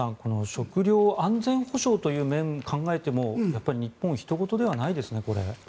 食料安全保障という面を考えてもやっぱり日本はひと事ではないですね。